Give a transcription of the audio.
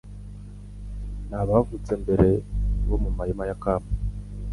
n’abavutse mbere bo mu mahema ya Kamu